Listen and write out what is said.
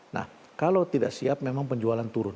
nah kalau tidak siap memang penjualan turun